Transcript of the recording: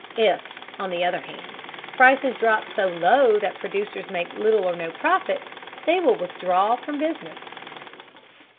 If, on the other hand, prices drop so low that producers make little or no profits, they will withdraw from business.